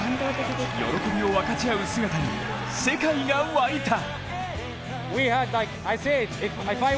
喜びを分かち合う姿に世界が沸いた！